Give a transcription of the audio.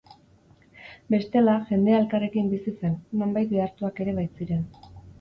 Bestela, jendea elkarrekin bizi zen, nonbait behartuak ere baitziren.